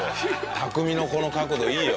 匠のこの角度いいよ。